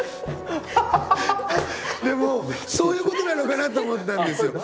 でもそういうことなのかなと思ったんですよ。